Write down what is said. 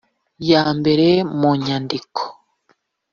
ya mbera mu nyandiko